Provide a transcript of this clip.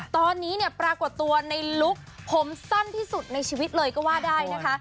ตอนนี้เนี่ยปรากฏตัวในลุคผมสั้นที่สุดในชีวิตเลยก็ว่าได้นะคะ